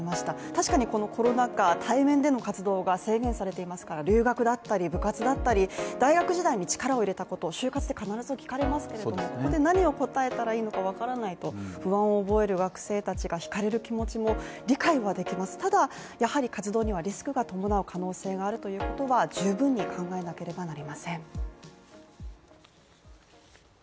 確かにこのコロナ禍対面での活動が制限されていますから留学だったり部活だったり大学時代に力を入れたことを就活で必ず聞かれますけれども、ここで何を答えたらいいのかわからないと不安を覚える学生たちが惹かれる気持ちも理解はできますただ、やはり活動にはリスクが伴う可能性があるということは十分に考えなければなりません。